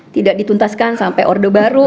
tidak dituntaskan sampai orde baru